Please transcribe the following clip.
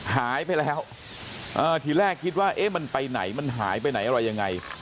หายไปแล้วทีแรกคิดว่าเอ๊ะมันไปไหนมันหายไปไหนอะไรยังไง